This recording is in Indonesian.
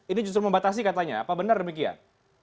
ini justru membatasi katanya apa benar demikian